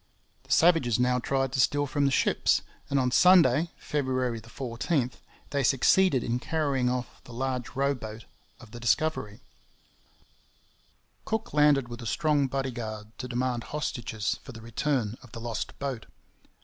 The savages now tried to steal from the ships, and on Sunday, February 14, they succeeded in carrying off the large row boat of the Discovery. Cook landed with a strong bodyguard to demand hostages for the return of the lost boat.